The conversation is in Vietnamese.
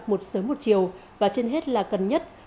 một sớm một chiều và trên hết là cần nhất